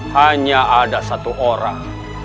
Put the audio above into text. hanya ada satu orang